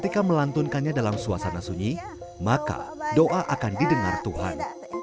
ketika melantunkannya dalam suasana sunyi maka doa akan didengar tuhan